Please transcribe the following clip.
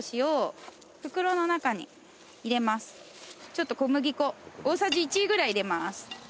ちょっと小麦粉大さじ１ぐらい入れます。